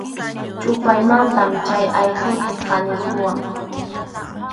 Chʼupaymantam chay allquyki kanirquwan.